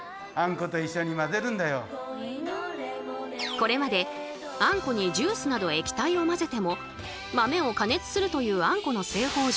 これまであんこにジュースなど液体を混ぜても豆を加熱するというあんこの製法上